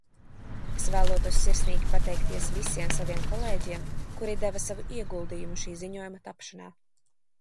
Es vēlētos sirsnīgi pateikties visiem saviem kolēģiem, kuri deva savu ieguldījumu šī ziņojuma tapšanā.